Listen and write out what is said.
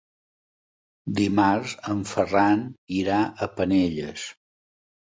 Dimarts en Ferran irà a Penelles.